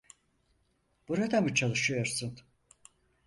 Burada mı çalışıyorsun?